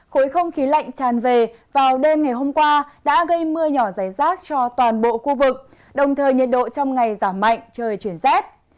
khối không khí lạnh tràn về vào đêm ngày hôm qua đã gây mưa nhỏ rải rác cho toàn bộ khu vực đồng thời nhiệt độ trong ngày giảm mạnh trời chuyển rét